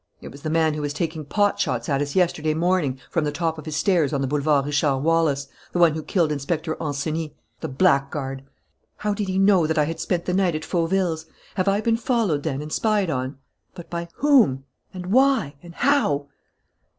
It was the man who was taking pot shots at us yesterday morning, from the top of his stairs on the Boulevard Richard Wallace, the one who killed Inspector Ancenis. The blackguard! How did he know that I had spent the night at Fauville's? Have I been followed then and spied on? But by whom? And why? And how?"